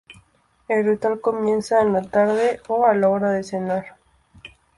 El ritual empieza en la tarde o a la hora de cenar.